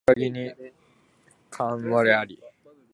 枯木に寒鴉あり